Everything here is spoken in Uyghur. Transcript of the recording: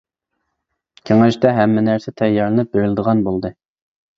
كېڭەشتە ھەممە نەرسە تەييارلىنىپ بېرىلىدىغان بولدى.